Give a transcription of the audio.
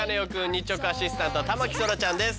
日直アシスタントは田牧そらちゃんです。